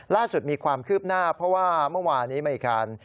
ล่าสุดมีความคืบหน้าเพราะว่าเมื่อวานี้มีการ